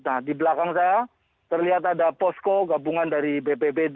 nah di belakang saya terlihat ada posko gabungan dari bpbd